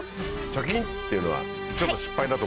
「チョキッ！」っていうのはちょっと失敗だと思ってる？